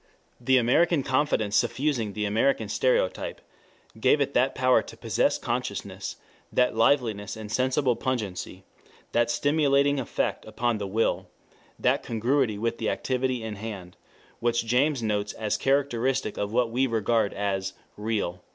The American confidence suffused the American stereotype, gave it that power to possess consciousness, that liveliness and sensible pungency, that stimulating effect upon the will, that emotional interest as an object of desire, that congruity with the activity in hand, which James notes as characteristic of what we regard as "real."